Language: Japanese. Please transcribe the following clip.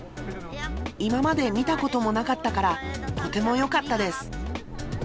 今まで見たこともなかったから、とてもよかったです。